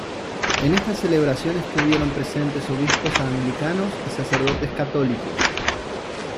En esta celebración estuvieron presentes obispos anglicanos y sacerdotes católicos.